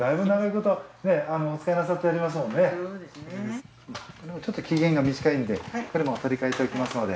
これもちょっと期限が短いんでこれも取り替えておきますので。